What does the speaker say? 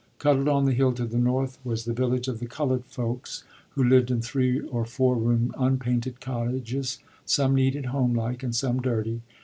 Cuddled on the hill to the north was the village of the colored folks, who lived in three or four room unpainted cottages, some neat and homelike, and some dirty.